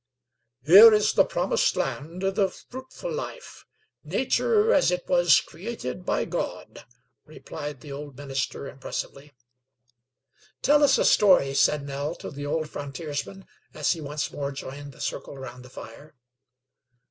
"Here is the promised land the fruitful life Nature as it was created by God," replied the old minister, impressively. "Tell us a story," said Nell to the old frontiersman, as he once more joined the circle round the fire.